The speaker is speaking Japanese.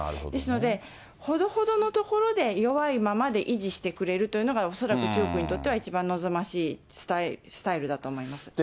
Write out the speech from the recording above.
ですので、ほどほどのところで弱いままで維持してくれるというのが、恐らく中国にとっては一番望ましいスタイルだと思います。